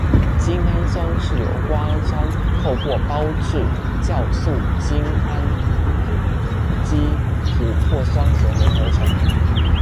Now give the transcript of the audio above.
精氨酸是由瓜氨酸透过胞质酵素精氨基琥珀酸合酶合成。